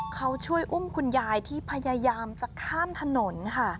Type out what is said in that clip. เขาช่วยอุ้มคุณยายที่พยายามจะข้ามถนนค่ะ